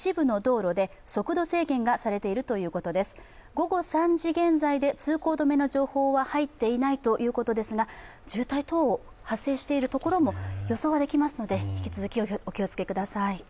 午後３時現在で通行止めの情報は入っていないということですが渋滞等、発生しているところも予想はできますので引き続きお気をつけください。